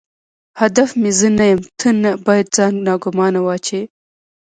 هدف مې زه نه یم، ته نه باید ځان ناګومانه واچوې.